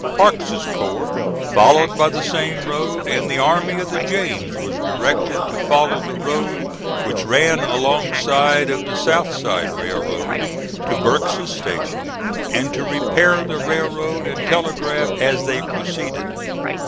Parke's corps followed by the same road, and the Army of the James was directed to follow the road which ran alongside of the South Side Railroad to Burke's Station, and to repair the railroad and telegraph as they proceeded.